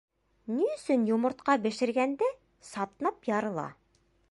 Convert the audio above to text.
Ни өсөн йомортҡа бешергәндә сатнап ярыла?